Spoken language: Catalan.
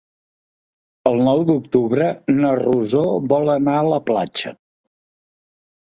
El nou d'octubre na Rosó vol anar a la platja.